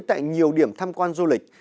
tại nhiều điểm tham quan du lịch